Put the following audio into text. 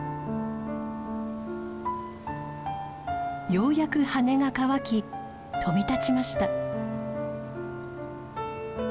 ようやく羽が乾き飛び立ちました。